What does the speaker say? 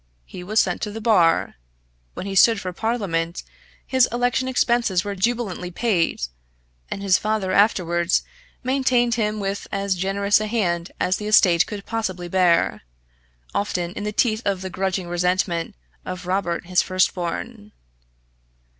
He was sent to the bar. When he stood for Parliament his election expenses were jubilantly paid, and his father afterwards maintained him with as generous a hand as the estate could possibly bear, often in the teeth of the grudging resentment of Robert his firstborn.